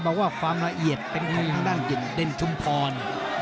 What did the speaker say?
บอกว่าความละเอียดเป็นคนทางด้านเดินชุมพร